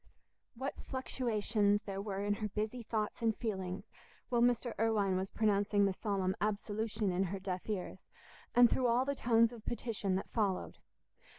What fluctuations there were in her busy thoughts and feelings, while Mr. Irwine was pronouncing the solemn "Absolution" in her deaf ears, and through all the tones of petition that followed!